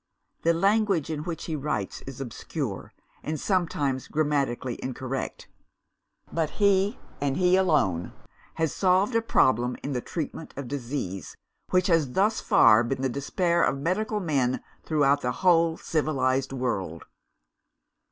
The language in which he writes is obscure, and sometimes grammatically incorrect. But he, and he alone, has solved a problem in the treatment of disease, which has thus far been the despair of medical men throughout the whole civilised world.